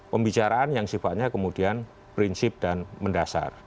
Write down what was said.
pembicaraan yang sifatnya kemudian prinsip dan mendasar